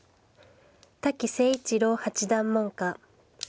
滝誠一郎八段門下。